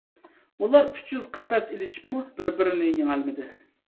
ئۇلار ئۈچ يۈز قەپەس ئېلىشىپمۇ بىر - بىرىنى يېڭەلمىدى.